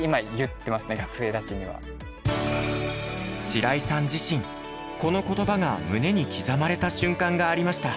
白井さん自身この言葉が胸に刻まれた瞬間がありました。